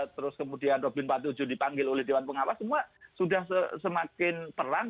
terus kemudian robin empat puluh tujuh dipanggil oleh dewan pengawas semua sudah semakin terang